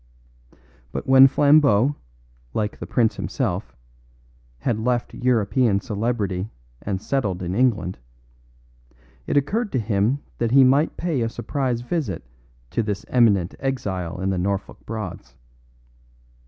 But when Flambeau, like the prince himself, had left European celebrity and settled in England, it occurred to him that he might pay a surprise visit to this eminent exile in the Norfolk Broads.